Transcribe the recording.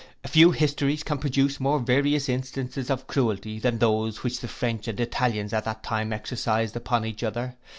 Few histories can produce more various instances of cruelty, than those which the French and Italians at that time exercised upon each other.